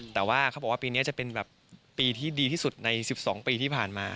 แต่ว่าเขาบอกว่าปีนี้จะเป็นแบบปีที่ดีที่สุดใน๑๒ปีที่ผ่านมา